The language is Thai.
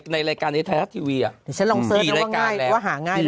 ในรายการในไทยรัฐทีวีอ่ะเดี๋ยวฉันลองเสิร์ชแล้วว่าง่ายว่าหาง่าย